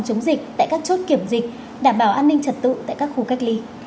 chống dịch tại các chốt kiểm dịch đảm bảo an ninh trật tự tại các khu cách ly